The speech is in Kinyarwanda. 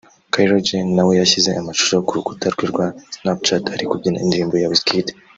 Kylie Jenner nawe yashyize amashusho ku rukuta rwe rwa Snapchat ari kubyina indirimbo ya Wizkid